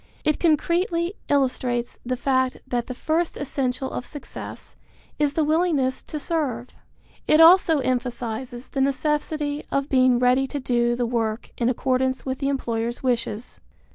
It concretely illustrates the fact that the first essential of success is the willingness to serve. It also emphasizes the necessity of being ready to do the work in accordance with the employer's wishes.